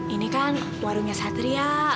ini kan warungnya satria